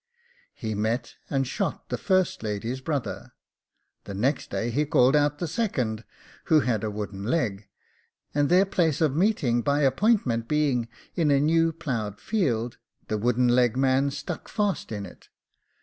He met and shot the first lady's brother: the next day he called out the second, who had a wooden leg, and their place of meeting by appointment being in a new ploughed field, the wooden leg man stuck fast in it.